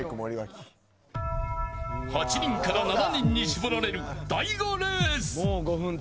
８人から７人に絞られる第５レース。